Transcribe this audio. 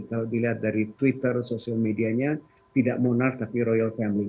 kalau dilihat dari twitter social medianya tidak monar tapi royal family